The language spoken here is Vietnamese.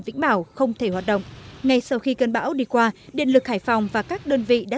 vĩnh bảo không thể hoạt động ngay sau khi cơn bão đi qua điện lực hải phòng và các đơn vị đã